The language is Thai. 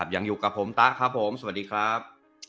ยังอยู่กับผมตะครับผมสวัสดีครับ